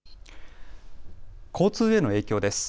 交通への影響です。